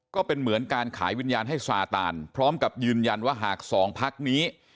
ก็เป็นเหมือนการขายวิญญาณให้ซาตานพร้อมกับยืนยันว่าหากสองพักนี้